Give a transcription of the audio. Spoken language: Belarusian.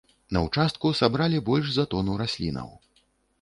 На участку сабралі больш за тону раслінаў.